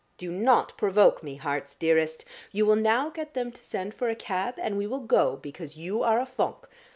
Do not provoke me, heart's dearest. You will now get them to send for a cab, and we will go because you are a fonk.